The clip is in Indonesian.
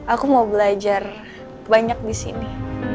aku mau belajar banyak disini